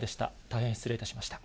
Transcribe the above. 大変失礼いたしました。